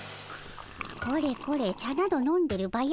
これこれ茶など飲んでるバヤ